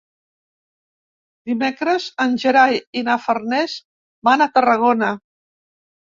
Dimecres en Gerai i na Farners van a Tarragona.